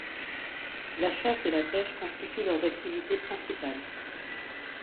La chasse et la pêche constituent leurs activités principales.